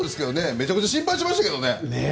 めちゃくちゃ心配しましたけどね。